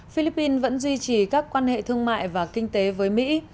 philippines vẫn duy trì các quan hệ thương mại và kinh tế với mỹ